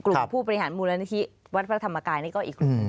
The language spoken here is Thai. กลุ่มผู้บริหารมูลวิธีวัดพระธรรมกายก็อีกกลุ่ม